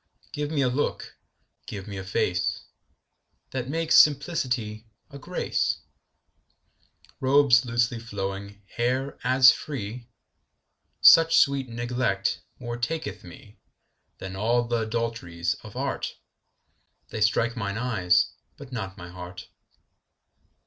Give me a look, give me a face That makes simplicity a grace; Robes loosely flowing, hair as free: Such sweet neglect more taketh me 10 Than all th' adulteries of art; They strike mine eyes, but not my heart.